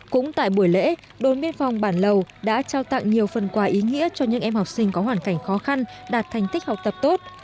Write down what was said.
cũng tại buổi lễ đồn biên phòng bản lầu đã trao tặng nhiều phần quà ý nghĩa cho những em học sinh có hoàn cảnh khó khăn đạt thành tích học tập tốt